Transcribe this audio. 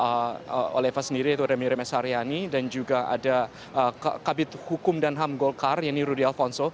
tiba tiba sendiri ada miriam esaryani dan juga ada kabit hukum dan ham golkar yang ini rudy alfonso